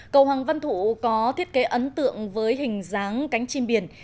cầu hoàng văn thụ có thiết kế ấn tượng với hình dáng cánh chim biển